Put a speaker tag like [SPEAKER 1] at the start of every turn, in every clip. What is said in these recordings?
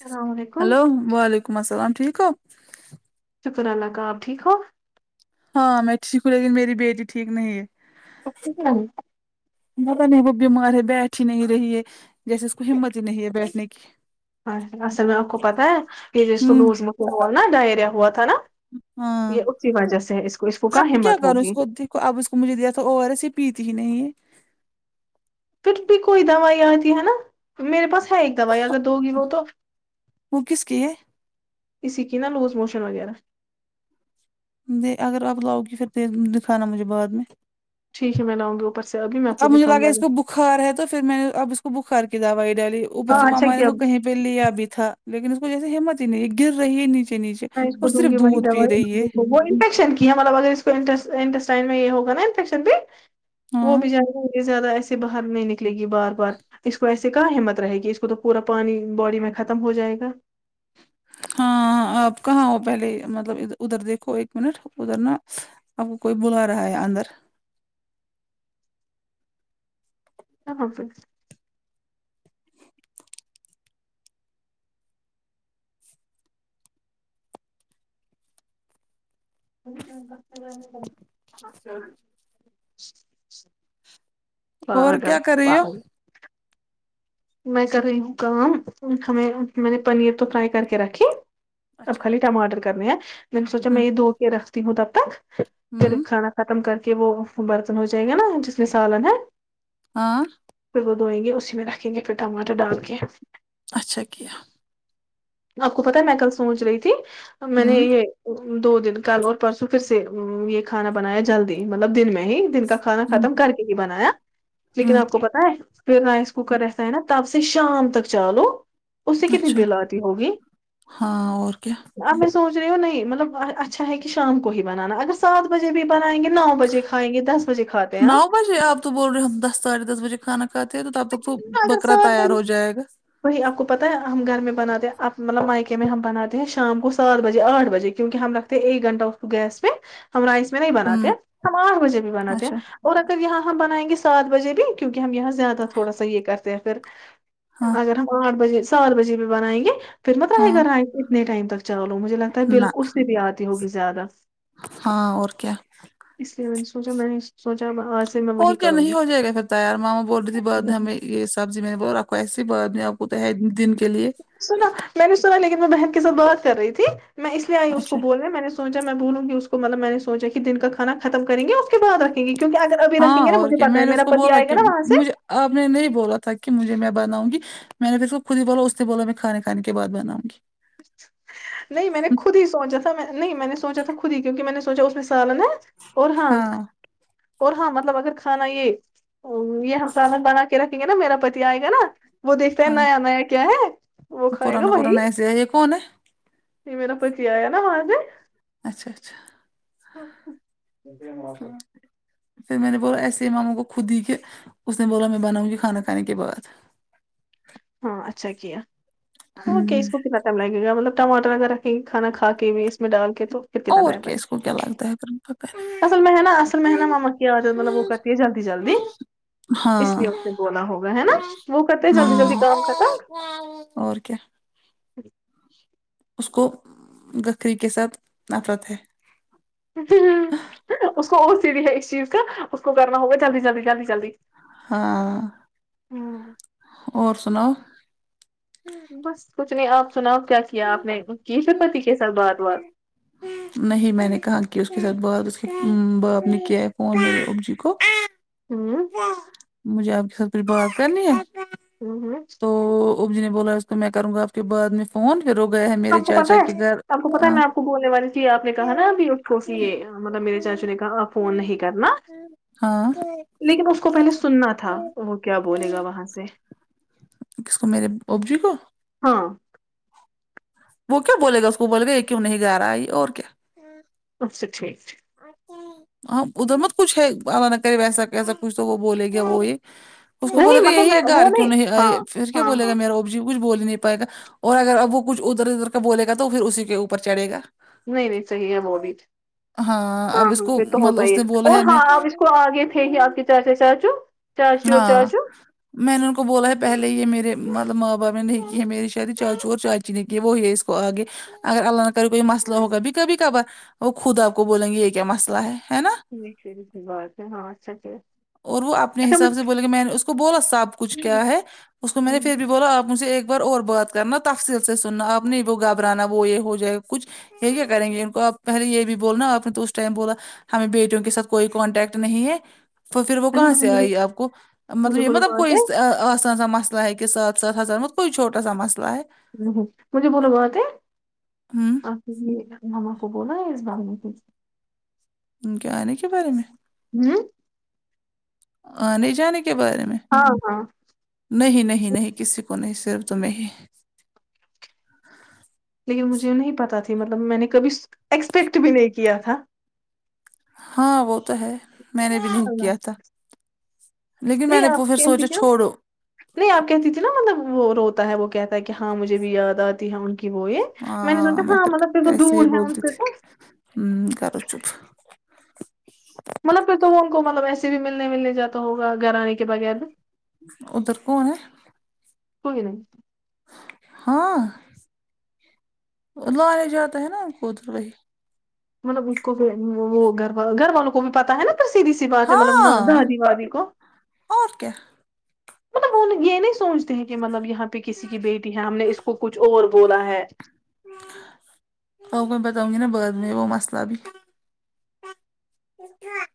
[SPEAKER 1] السلام علیکم
[SPEAKER 2] ہیلو وعلیکم السلام ٹھیک ہو
[SPEAKER 1] شکر اللہ کا آپ ٹھیک ہو
[SPEAKER 2] ہاں میں ٹھیک ہوں لیکن میری بیٹی ٹھیک نہیں ہے
[SPEAKER 1] اس کو کیا ہوا
[SPEAKER 2] مت نہیں وہ بیمار ہے بیٹ ہی نہیں رہی ہے جیسے اس کو ہممت ہی نہیں ہے بیٹھنے کی
[SPEAKER 1] چ اصل میں آپ کو پتہ ہے یہ ج س
[SPEAKER 2] ہوں
[SPEAKER 1] لوزمت یہول نا ڈائیا ہوت ہے نا
[SPEAKER 2] ہاں
[SPEAKER 1] یہ اس کی وجہ سے ہے اس کو اس کو کیا
[SPEAKER 2] اب میں
[SPEAKER 1] ہمت
[SPEAKER 2] کروں اس
[SPEAKER 1] ہوگی
[SPEAKER 2] دیکھو کو اب اس کو مجھے دیا تھا و ر س یہ پیتی ہی نہیں ہے
[SPEAKER 1] پھر بھی کوئی دوائی آتی ہے نا میرے پاس ہے ایک دوائی اگر دو گی وہ تو
[SPEAKER 2] وہ کس کی
[SPEAKER 1] اسی کی نا لوز موشن وغیرہ
[SPEAKER 2] د اگر اپ لاؤ گی پھر د دکھانا مجھے بعد میں
[SPEAKER 1] ٹھیک ہے میں لا ؤ نگی اوپر سے ابھی میں آپ کو
[SPEAKER 2] اب مجھے
[SPEAKER 1] دکھاؤں
[SPEAKER 2] لگا
[SPEAKER 1] گی
[SPEAKER 2] ہے اس
[SPEAKER 1] اگر
[SPEAKER 2] کو بخار ہے تو پھر میں نے اب اس کو بخار کی دوائی ڈالی اوپر
[SPEAKER 1] ہاں
[SPEAKER 2] سے
[SPEAKER 1] اچھا
[SPEAKER 2] ماما نے
[SPEAKER 1] کیا
[SPEAKER 2] تو کہیں پہ پہ لیا بھی تھا لیکن اس کو جیسے ہمت ہی نہیں ہے گر رہی ہے نیچے نیچے
[SPEAKER 1] میں اس
[SPEAKER 2] اور
[SPEAKER 1] کو دوں
[SPEAKER 2] صرف
[SPEAKER 1] گی وہی
[SPEAKER 2] دودھ پی رہی ہے
[SPEAKER 1] دوائی وہ انفیکشن کی مطلب اگر اس کوانٹس انٹسٹائن میں یہ ہوگا نا انفیکشن پ وہ
[SPEAKER 2] ہاں
[SPEAKER 1] بھی جائےا یہ زیادہ ایسے باہر نہیں نکلے گی بار بار اس کو ایس سے کا ہمت رہے گی اس کو تو پورا پانی باڈی میں ختم ہو جائے گا
[SPEAKER 2] ہاں آپ کہاں ہو پہلے مطلب ادھر دیکھو ایک منٹ ادھر نا آپ کو کوئی بلا رہا ہے اندر
[SPEAKER 1] کہاں پہ ابو جان اچھا [inaudible]
[SPEAKER 2] اور کیا کر رہی ہو
[SPEAKER 1] پاگل میں کر رہی ہوں کام ہمیں میں نے پنیر تو فرائی کر کے رکھی اب
[SPEAKER 2] اچھا
[SPEAKER 1] خالی ٹماٹر کرنے ہیں میں نے سوچا میں یہ دھوپ میں رکھتی ہوں تب تک پھر
[SPEAKER 2] ہمم
[SPEAKER 1] کھانا ختم کر کے وہ برتن ہو جائے گا نا جس میں سالن ہے
[SPEAKER 2] ہاں
[SPEAKER 1] پھر وہ دھوئیں گے اسی میں رکھیں گے پھر ٹماٹر ڈال کے
[SPEAKER 2] اچھا کیا
[SPEAKER 1] آپ کو پتا ہے میں کل سوچ رہی تھی میں نے
[SPEAKER 2] ہمم
[SPEAKER 1] یہ دو دن کل اور پرسوں پھر سے یہ کھانا بنایا جلدی مطلب دن میں ہی دن کھانا
[SPEAKER 2] ہمم
[SPEAKER 1] ختم کر کے لیے بنایا لیکن آپ
[SPEAKER 2] ہمم
[SPEAKER 1] کو پتا ہے پھر نہ اس کو ککر ر نا تب سے شام تک چالو اس سے کتنی
[SPEAKER 2] اچھا
[SPEAKER 1] بل آتی ہوگی
[SPEAKER 2] ہاں اور کیا
[SPEAKER 1] آپ سوچ رہے ہو نہیں مطلب اچھا ہے کہ شام کو ہی بنانا اگر سات بجے بھی بنائیں گے نو بجے کھائیں گے دس بجے کھاتے ہیں
[SPEAKER 2] نو
[SPEAKER 1] آپ
[SPEAKER 2] بجے آپ تو بول رہے ہو ہم دس سا ڑھے دس بجے کھانا کاتے ہیں تو تب تک تو
[SPEAKER 1] اگر
[SPEAKER 2] بکرا
[SPEAKER 1] سات
[SPEAKER 2] تیار
[SPEAKER 1] بجے
[SPEAKER 2] ہو جائے گا
[SPEAKER 1] وہی آپ کو پتاہ ہے ہم گھر میں بنا د آپ مطلب مائیکے میں ہم بناتے ہیں شام کو سات بجے آٹھ بجے کیونکہ ہم رکھتے ہیں ایک گھنٹہ اس کو گیس پہ ہمارا اس میں نہیں بناتے
[SPEAKER 2] ہمم
[SPEAKER 1] ہم آٹھ بجے بھی بناتے ہیں
[SPEAKER 2] اچھا
[SPEAKER 1] اور اگر یہاں ہم بنائیں گے سات بجے بھی کیونکہ ہم یہاں زیادہ تھوڑا سا یہ کرتے ہیں پھر
[SPEAKER 2] ہاں
[SPEAKER 1] ہم آھ بجے سات بجے بھی بنائیں گے پھر میںتائی
[SPEAKER 2] ہاں
[SPEAKER 1] کر رہا اتنے ٹائم تک چلو مجھے لگتا ہے
[SPEAKER 2] نہ
[SPEAKER 1] بالک اس بھی آتی ہوگی زیادہ
[SPEAKER 2] ہاں اور کیا
[SPEAKER 1] اس لیے میں نے سوچا میں سوچا آج سے میں
[SPEAKER 2] اور
[SPEAKER 1] وہی
[SPEAKER 2] کیا
[SPEAKER 1] کروں
[SPEAKER 2] نہیں
[SPEAKER 1] گی
[SPEAKER 2] ہو جائے گا پھر تیار ماما بول رہی تھی بعد میں ہمیں یہ سبزی میں نے وہ رکھو ایسسی بعد میں آپ کو تھے دن کے لیے
[SPEAKER 1] سنا میں نے سنا لیکن میں بہن کے سات بات کر رہی تھی میں اس لیے آئی اس کو
[SPEAKER 2] اچھا
[SPEAKER 1] بول رہے میں نے سوچا میں بولوں گی اس کو مطلب میں نے سوچا کہ دن کا کانا ختم کریں گے اس کے بعد رکھیں گے کیونک اگر ابھی رکھ
[SPEAKER 2] ہاں
[SPEAKER 1] گے نا
[SPEAKER 2] اور
[SPEAKER 1] مھے
[SPEAKER 2] کیا
[SPEAKER 1] پتا
[SPEAKER 2] میں نے
[SPEAKER 1] ہے
[SPEAKER 2] اس
[SPEAKER 1] میرا
[SPEAKER 2] کو
[SPEAKER 1] پتی
[SPEAKER 2] بولا
[SPEAKER 1] آئے
[SPEAKER 2] کہ
[SPEAKER 1] گا وہاں سے
[SPEAKER 2] مجھے آپ نے نہیں بولا تھا کہ مجھے میں بناؤں گی میں نے پھر کو خود ہی بولا اس سے بولا میں کانے کھانے کے بعد بناؤں گی
[SPEAKER 1] نہیں میں نے خود ہی سوچا تھا نہیں میں نے سوچا تھا خود ہی کیونکہ میں نے سوچا اس میں سالن ہے اور ہاں اور ہاں مطلب اگر کھانا یہ یہ ہم سالن بنا کے رکھیں گے نا میرا پتی آئے گا نا وہ دیکھتا ہے
[SPEAKER 2] ہاں
[SPEAKER 1] نیا نیا کیا ہے وہ کھائے گا
[SPEAKER 2] پرانا
[SPEAKER 1] وہی
[SPEAKER 2] پرانا ایسے ہے یہ کون ہے
[SPEAKER 1] ابھی میرا پتی آیا نا وہاں سے
[SPEAKER 2] اچھا اچھا
[SPEAKER 1] دن ہوات [inaudible]
[SPEAKER 2] پھر میں نے بولا ایسے ماموں کو خود دی کہ اس نے بولا میں بناؤں گی کھانا کھنے کے بعد
[SPEAKER 1] ہاں اچھا کیا اوک
[SPEAKER 2] ہمم
[SPEAKER 1] اس کو لگے گا مطلب ٹماٹر اگر ریں کھانا کھا کے بھی اس میں ڈال کے تو پھر کتناگ
[SPEAKER 2] اور
[SPEAKER 1] ٹائم
[SPEAKER 2] کیا
[SPEAKER 1] لگے
[SPEAKER 2] اس کو کیا لگتا ہے پھر پتہ
[SPEAKER 1] اصل میں ہے نا اصل میں ہے نا ماما کیا آ مطلب وہ کر جلدی جلدی
[SPEAKER 2] نہیں
[SPEAKER 1] اس لیے
[SPEAKER 2] ہاں
[SPEAKER 1] اس نے بولا ہوگا ہے نا وہ کرتے جلدی جلدی کام ختم
[SPEAKER 2] ہمم اور کیا اس کو بکرے کے ساتھ نفرت ہے
[SPEAKER 1] اس کو اور سیھی ہے ایک چیز کا اس کو کرنا ہوگا جلدی جلدی جلدی جلدی
[SPEAKER 2] ہاں
[SPEAKER 1] ہ
[SPEAKER 2] اور سناؤ
[SPEAKER 1] بس کچھ نہیں آپ سناؤ کیا کیا آپ نے کی سب پتی کے ساتھ بات وات
[SPEAKER 2] نہیں میں نے کہا کے اس کے ساتھ بعد اس کے باپ نے کیا ہے فون میرے اپب جی کو
[SPEAKER 1] ہوں
[SPEAKER 2] مجھے آپ کہ سے پھر بات کرنی ہے
[SPEAKER 1] ہوں ہوں
[SPEAKER 2] تو اب جی نے بولا اس تو میں کروں گا اسکے بعد میں فون پھر وہ گیا ہے میرے
[SPEAKER 1] آپ کو پتا
[SPEAKER 2] چاچا
[SPEAKER 1] ہے
[SPEAKER 2] کے گھر
[SPEAKER 1] آپ کو پتا ہے میں آپ کو بولنے والی تھی آپ نے کہا نا ابھی کونسی یہ مطلب میرے چاچو نے کہا فون نہیں کرنا
[SPEAKER 2] ہاں
[SPEAKER 1] لیکن اس کو پہلے سننا تھا تو وہ کیا بولے گا وہاں سے
[SPEAKER 2] کس کو میرے بب جی کو
[SPEAKER 1] ہاں
[SPEAKER 2] وہ کیا بولے گا اس کو بول گا یہ کیوں نہیں گا رہا ہے اور کیا
[SPEAKER 1] اچھا ٹھیک ٹھیک
[SPEAKER 2] آتا ہے ہاں ادھر مت کچھ ہے اللہ نہ کرے ویسا کیسا کچھ تو وہ بولے گیا وہ یہ اس کو بولے
[SPEAKER 1] نہیں
[SPEAKER 2] گا
[SPEAKER 1] مطلب
[SPEAKER 2] یہی ہے
[SPEAKER 1] میں وہ
[SPEAKER 2] گھر کیوں نہیں
[SPEAKER 1] ہاں
[SPEAKER 2] اے پھر کیا
[SPEAKER 1] ہاں
[SPEAKER 2] بولے گا
[SPEAKER 1] ہاں
[SPEAKER 2] میرے مجھے کچھ بول ہی نہیں پائے گا اور اگر اب وہ کچھ ادھر ادھر کا بول گا تو پھر اسی کے اوپر چڑے گا
[SPEAKER 1] نہیں نہیں صحیح ہے وہ بھی ہاں
[SPEAKER 2] اب اس
[SPEAKER 1] ہاں
[SPEAKER 2] کو
[SPEAKER 1] یہ تو
[SPEAKER 2] مطلب
[SPEAKER 1] ہوتا ہی
[SPEAKER 2] اس نے
[SPEAKER 1] ہے
[SPEAKER 2] بولا
[SPEAKER 1] اور
[SPEAKER 2] میں
[SPEAKER 1] ہاں آپ اس کو آگے پھینکے آپ کے چاچا چاچو چاچی اور
[SPEAKER 2] ہاں
[SPEAKER 1] چاچو
[SPEAKER 2] میں نے ان کو بولا ہے پہلے یہ میرے مطلب ماں باپ نے نہیں کی ہے میری شادی چاچو اور چا چی نے کی وہی اس کو آگے اگر اللہ نہ کرے کوئی مسئلہ ہوگا بھی کبھی کبھار وہ خود آپ کو بولیں گے یہ کیا مسئلہ ہے ہے نا
[SPEAKER 1] جی سیدھی سی بات ہے ہاں اچھا کیا
[SPEAKER 2] اور وہ اپنے حساب سے بولے کہ میں نے اس کو بولا سب کچھ کیا ہے اس کو میں نے پھر بھی بولا آپ مجھ ایک بار اور بات کرنا تفصل سے سننا اپ نہیں وہ گھبرانا وہ یہ ہو جائے کچھ یہ کیا کریں گے ان کو آپ پہلے یہ بھی بولونا آپ تو اس ٹائم بولا ہمیں بیٹوں کے ساتھ کوئی کانٹیکٹ نہیں ہے تو پھر وہ
[SPEAKER 1] اچھا مجھے
[SPEAKER 2] کہاں سے
[SPEAKER 1] بولو
[SPEAKER 2] آئی آپ کو مطلب
[SPEAKER 1] مجھے
[SPEAKER 2] یہ
[SPEAKER 1] بولو
[SPEAKER 2] مطلب
[SPEAKER 1] بات
[SPEAKER 2] کوئی
[SPEAKER 1] ہے
[SPEAKER 2] اس ا آسان سا مسئلہ ہے کہ ساتھ ساتھ اتزارہت کوئی چھوٹا سا مسلہ ہے
[SPEAKER 1] ہوں ہوں مجھے بولو باتیں
[SPEAKER 2] ہم
[SPEAKER 1] آپ جی مما کو بولا ہے اس بار میں کچھ
[SPEAKER 2] ان کے آنے کے بارے میں
[SPEAKER 1] نہیں
[SPEAKER 2] آنے جانے کے بارے میں
[SPEAKER 1] ہاں ہاں
[SPEAKER 2] نہیں نہیں نہیں کسی کو نہیں صرف تمہیں ہی
[SPEAKER 1] لیکن مجھے نہیں پتا تھی مطلب میں نے کبھی ایکسپیکٹ بھی نہیں کیا تھا
[SPEAKER 2] ہاں وہ تو ہے میں نے بھی نہیں
[SPEAKER 1] اللہ
[SPEAKER 2] کیا تھا لیکن میں
[SPEAKER 1] نہیں
[SPEAKER 2] نے
[SPEAKER 1] آپ
[SPEAKER 2] وہ پھر سوچا
[SPEAKER 1] کہتی کیا
[SPEAKER 2] چھوڑو
[SPEAKER 1] نہیں آپ کہتی تھی نا مطلب وہ روتا ہے وہ کہتا ہے کہ ہاں مجھے بھی یاد آتی ہے ان کی کے وہ یہ میں نے سوچا ہاں مطلب پھر وہ دور ہے ان پہ تو
[SPEAKER 2] ہوں کرو چپ
[SPEAKER 1] مطلب پھر تو ان کو مطلب ایسے بھی ملنے ملنے جاتا ہوگا گھرانے کے بغیر نہ
[SPEAKER 2] ادھر کون ہے
[SPEAKER 1] کوئی نہیں
[SPEAKER 2] ہاں لانے جاتا ہے ان کو ادھر وہی
[SPEAKER 1] مطلب اس کو پھر وہ گھر وا گھر والوں کو بھی پتہ ہے نا تو سیدھی سی بات ہے مطلب نہ
[SPEAKER 2] ہاں
[SPEAKER 1] دادی وادی کو
[SPEAKER 2] اور کیا
[SPEAKER 1] مطلب وہ یہ نہیں سوچتے ہیں کہ مطلب یہاں پہ کسی کی بیٹی ہے ہم نے اس کو کچھ اوور بولا ہے
[SPEAKER 2] آپ کو بتاؤں گی نا بعد میں وہ مسلہ بھی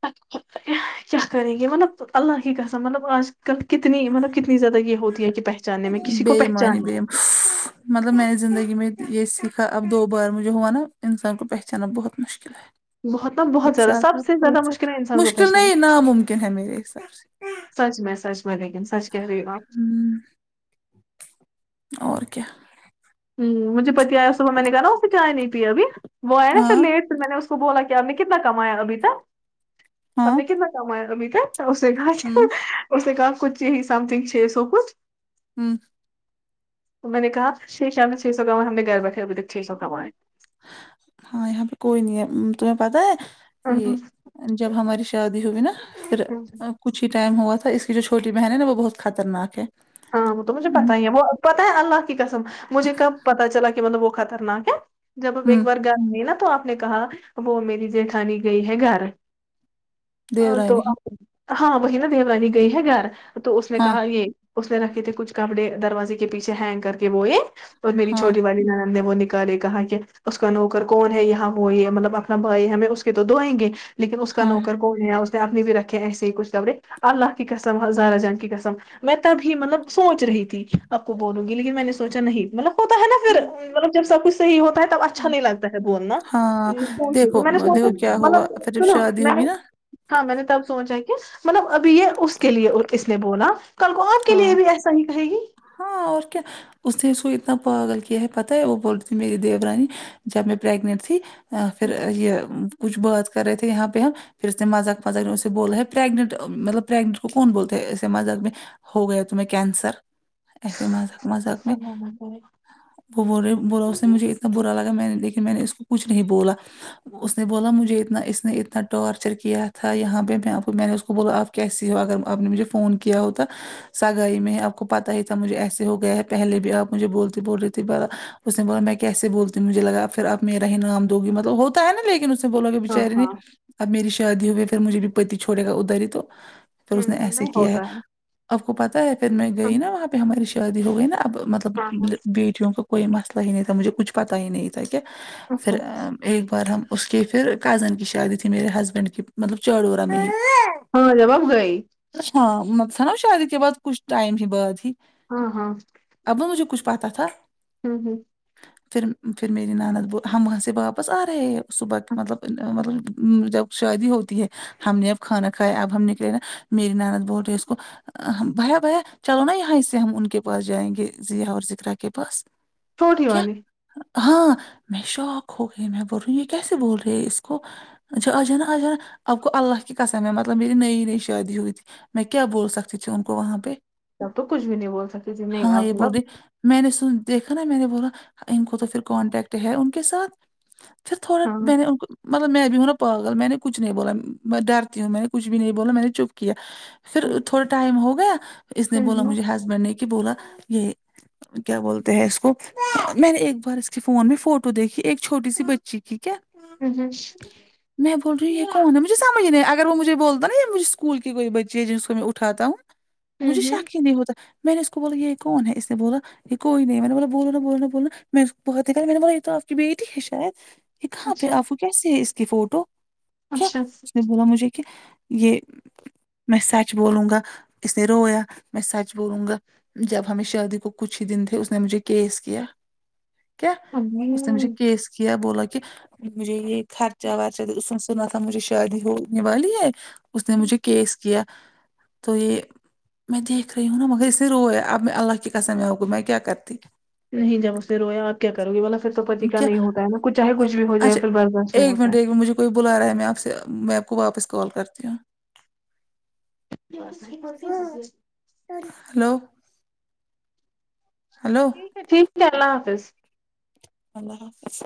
[SPEAKER 1] چ کیا کریں گے مطلب اللہ کی قسم مطلب آج کل کتنی مطلب کتنی زیادہ یہ ہوتی ہے کہ پہچاننے میں کسی
[SPEAKER 2] بے
[SPEAKER 1] کو
[SPEAKER 2] ایمانی
[SPEAKER 1] پہچاننے
[SPEAKER 2] بے
[SPEAKER 1] میں
[SPEAKER 2] ایمانی، مطلب میں نے زندگی میں یہ سیکھا اب دو بار مجھے ہوا نا انسان کو پہچانا بہت مشکل ہے
[SPEAKER 1] نا
[SPEAKER 2] بہت
[SPEAKER 1] سب
[SPEAKER 2] زیادہ
[SPEAKER 1] سے
[SPEAKER 2] ب
[SPEAKER 1] مشکل ہے انسان کو
[SPEAKER 2] مشکل
[SPEAKER 1] پہچانا
[SPEAKER 2] نہیں ناممکن ہے میرے حساب سے
[SPEAKER 1] سچ میں سچ میں لیکن سچ کہہ رہی ہوں آپ
[SPEAKER 2] ہ اور کیا
[SPEAKER 1] ہ مجھے پتا آیا صبح میں نے کہا نا اسے چائے نہیں پییا ابھی وہ آیا نا پھر
[SPEAKER 2] ہاں
[SPEAKER 1] لیٹ میں نے اس کو بولا کہ آپ نے کتنا کمایا ابھی تک آب
[SPEAKER 2] ہاں
[SPEAKER 1] نے کتنا کمایا ابھی تک اس نے کہا
[SPEAKER 2] ہمم
[SPEAKER 1] اس نے کہا کچھ یہی سم تھنگ چھ سو کچھ
[SPEAKER 2] ہوں
[SPEAKER 1] تو میں نے کہا چھ شام نے چھ سو کمایا ہم نے گھر بیٹھے ابھی تک چھ سو کمائے
[SPEAKER 2] ہاں یہاں پہ کوئی نہیں ہے ام تمہیں پتا ہے
[SPEAKER 1] ہم،
[SPEAKER 2] یہ جب ہماری شادی ہوئی نا پھر
[SPEAKER 1] ہم،
[SPEAKER 2] جب کچھ ہی ٹائم ہوا تھا اس کی جو چھوٹی بہن ہے نا وہ بہت خطرناک ہے
[SPEAKER 1] ہاں وہ تو مجھے پتہ ہی ہے وہ پتہ ہے اللہ کی قسم مجھے کب پتتہ چلا کہ مطلب وہ خطرناک ہے جب اب ایک
[SPEAKER 2] ہوں
[SPEAKER 1] بار گائین دیے نا تو آپ نے کہا اب وہ میری جیٹھانی گئی ہے گھر تو
[SPEAKER 2] دیورانی
[SPEAKER 1] اب ہاں وہی نا دیو رانی گئی ہے گھر تو اس نے
[SPEAKER 2] ہاں
[SPEAKER 1] کہا یہ اس میں رکھے تھے کچھ کپڑے دروازے کے پیچھے ہینگ کر کے وہ یہ اور میری
[SPEAKER 2] ہاں
[SPEAKER 1] چھوٹی والی نند نے وہ کہا کہ اس کا نوکر کون ہے یہاں وہ یہ مطلب اپنا بھائی ہمیں اس کے تو دھوئیں گے لیکن اس کا
[SPEAKER 2] ہاں
[SPEAKER 1] نوکر اس نے اپنے بھی رکھے ہیں ایسے ہی کچھ کپڑے اللہ کی قسم ہزارہ جان کی قسم میں تبھی مطلب سوچ رہی تھی آپ کو بولوں گی لیکن میں نے سوچا نہیں مطلب ہوتا ہے نا پھر مطلب جب سب کچھ صحیح ہوتا ہے تب اچھا نہیں لگتا ہے بولنا ے
[SPEAKER 2] ہاں
[SPEAKER 1] [unintelligible]
[SPEAKER 2] دیکھو
[SPEAKER 1] میں نے
[SPEAKER 2] دیکھو کیا ہوا
[SPEAKER 1] مطلب
[SPEAKER 2] پھر جب
[SPEAKER 1] سنو
[SPEAKER 2] شادی
[SPEAKER 1] مینے
[SPEAKER 2] ہوئی نا
[SPEAKER 1] ہاں میں نے تب سوچا ہے کہ مطلب ابھی یہ اس کے لیے اس نے بولا کل کو آپ کے
[SPEAKER 2] ہاں
[SPEAKER 1] لیے بھی ایسا ہی کہے گی
[SPEAKER 2] ہاں اور کیا اس نے اس کو اتنا پاگل کیا ہے پتا ہے وہ بولتی تھی میری دیورانی جب میں پرریگنٹ تھی ہاں پھر یہ کچھ بات کر رہے تھے یہاں پہ ہم پھر اس نے مذاق مذاق نے اسے بولا ہے پرریگنٹ مطلب پریگنٹ کون بولتے ہیں اسے مذاق میں ہو گیا تمہیں کینسر ایسے مذاق مذااق میں
[SPEAKER 1] اللہ نہ کرے
[SPEAKER 2] وہ بول رہے بولا اس سے مجھے اتنا برا لگا میں نے لیکن میں نے اس کو کچھ نہیں بولا اس نے بولا مجھے اتنا اس نے اتنا ٹارچر کیا تھا یہاں پہ میں نے اس کو بولا آپ کیسی ہو اگر آپ نے مجھے فون کیا ہو تا سگائی میں آپ کو پتا ہی تھا مجھے ایسے ہو گیا ہے پہلے بھی آپ مجھے بولتی بول رہ تھی اس نے بولا میں کیسے بولتی مجھے لگا پھر اب میرا ہی نام دو گی مطلب ہوتا ہے نا لیکن اس بولو گے
[SPEAKER 1] ہاں
[SPEAKER 2] بیچاری نے
[SPEAKER 1] ہاں
[SPEAKER 2] اب میری شادی ہوئی ہے پھر مجھے بھی پتی چھڑے گا اداری ہی تو پھر اس نے ایسے
[SPEAKER 1] نہیں
[SPEAKER 2] کیا ہے
[SPEAKER 1] ہوتا
[SPEAKER 2] آپ کو پتہ ہے پھر میں گئی نا وہاں پہ ہماری شادی ہو گئی نا اب مطلب بی کیوں کہ کوئی مسئلہ ہی نہیں تھا مجھے کچھ پتا ہی نہیں تھا کہ پھر
[SPEAKER 1] اچھا
[SPEAKER 2] ایک بار ہم اس کے پھر کزن کی شادی تھی میرے ہسبینڈ کی مطلب چڑوڑا میں
[SPEAKER 1] ہاں جاب آپ گئی
[SPEAKER 2] ہاں مطل نا شادی کے بعد کچھ ٹائم ہی بعد ہی
[SPEAKER 1] ہاں ہاں
[SPEAKER 2] ابو مجھے کچھ پتہ تھا
[SPEAKER 1] امم امم
[SPEAKER 2] پھر پھر میری ناند ہم وہاں سے واپس آ رہے ہیں صبح مطلب مطلب جب شادی ہوتی ہے ہم نے اب کھانا کھایا اب ہم نکلے نا میری ناند بول رہی ہے سو کو بھیا بھیا چلو نا یہاں اسے ہم ان کے پاس جائیں گے ضیا اور صدرہ کے پاس
[SPEAKER 1] چھوٹی والی
[SPEAKER 2] ہاں میں شوک ہو گئی میں بول رہی ہوں یہ کیسے بول رہی ہے اس کو اچھا آجانا آجانا آپ کو اللہ کی قسم ہے مطلب میری نئی نئی شادی ہوئی تھی میں کیا بول سکتے تھے ان کو وہاں پہ
[SPEAKER 1] جب تو کچھ بھی نہیں بول سکتے جی میں آپ مطلب
[SPEAKER 2] میں نے سن دیکھا نا میں نے بولا ان کو تو پھر کانٹیکٹ ہے ان کے ساتھ پھر تھوڑا
[SPEAKER 1] ہاں ہوں
[SPEAKER 2] میں نے ان کو مطلب میں بھی ہوں نا پاگل میں نے کچھ نہیں بولا میں ڈرتی ہوں میں نے کچھ بھی نہیں بولا میں نے چپ کیا پھر
[SPEAKER 1] ہوں
[SPEAKER 2] تھوڑا ٹائم ہو گیا اس نے بولا
[SPEAKER 1] ہوں
[SPEAKER 2] مجھے ہسبینڈ نے کہ بولا یہ کیا بولتے ہیں اس کو میں نے ایک بار اس کی فون میں فوٹو دیکھی ایک چھوٹی سی بچی کی کیا
[SPEAKER 1] امم امم
[SPEAKER 2] میں بول رہ ہوں یہ کون مجھے سمجھ نہیں اگر وہ مجھے بولتا نا مجھے اسکول کی کوںی بچ جی جی اس کو میں اٹھاتا ہوں مجھے
[SPEAKER 1] ہوں
[SPEAKER 2] شک ہی نہیں ہوتا میں نے اس کو بولا یہ کون ہے اس نے بولا یہ کوئی نہیں میں نے بولا بولو نا بولو بولو میں بات میں نے بولا یہ توآپ کی بیٹی ہے شاید یہ کہاں پہ
[SPEAKER 1] اچھا
[SPEAKER 2] آپ کو کیسے ہے اس کی فوٹو کیا
[SPEAKER 1] اچھا
[SPEAKER 2] اس نے بولا مجھے کہ یہ میں سچ بولوں گا اس نے رویا میں سچ بولوں گا جب ہمیں شادی کو کچھ ہی دن تھے اس نے مجھے کیس کیا کیا اس نے مجھے
[SPEAKER 1] نہیں
[SPEAKER 2] کیس کیا بولا کہ مجھے یہ خرچہ ورچہ اس ورنہ مجھے شادی ہونے والی ہے اس نے مجھے کیس کیا تو یہ میں دیکھ رہی ہوں نا مگر اس نے رویا اب اللہ کی قسم ہوگا اب میں کیا کرتی
[SPEAKER 1] نہیں جب اسنے رویا کیا کرو گی بھلا پھر تو پتی کا
[SPEAKER 2] کیا
[SPEAKER 1] نہیں ہوتا ہے نا چاہے کچھ بھی ہو جائے
[SPEAKER 2] اچھا
[SPEAKER 1] پھر برداشت نہیں
[SPEAKER 2] ایک
[SPEAKER 1] ہوتا
[SPEAKER 2] منٹ
[SPEAKER 1] ہے
[SPEAKER 2] ایک منٹ مجھے کوئی بلا رہا ہے میں آپ سے میں آپ کو واپس کال کرتی ہوں
[SPEAKER 1] [unintelligible]
[SPEAKER 2] ہلو ہلو
[SPEAKER 1] ٹھیک ہے اللہ حافظ
[SPEAKER 2] اللہ حافظ